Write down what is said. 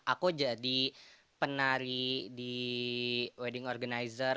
aku jadi penari di wedding organizer